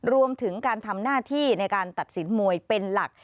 รวมถึงการทำหน้าที่ในการตัดสินมวยเป็นหลัก